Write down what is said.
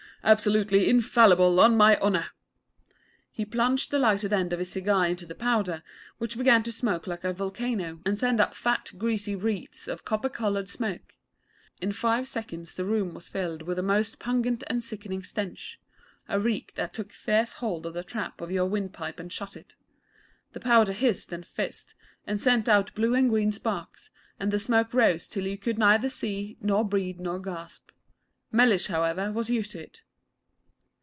Absolutely infallible, on my honour.' He plunged the lighted end of his cigar into the powder, which began to smoke like a volcano, and send up fat, greasy wreaths of copper coloured smoke. In five seconds the room was filled with a most pungent and sickening stench a reek that took fierce hold of the trap of your wind pipe and shut it. The powder hissed and fizzed, and sent out blue and green sparks, and the smoke rose till you could neither see, nor breathe, nor gasp. Mellish, however, was used to it.